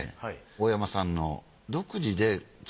大山さん